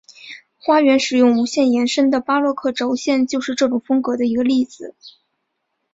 花园使用无限延伸的巴洛克轴线就是这种风格的一个例子。